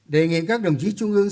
đề nghị các đồng chí trung ương